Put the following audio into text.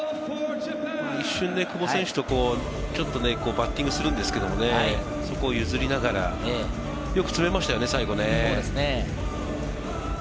一瞬で久保選手とバッティングするんですけれどもね、そこを譲りながらよく詰めましたよね、最後ね。